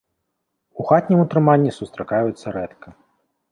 У хатнім утрыманні сустракаюцца рэдка.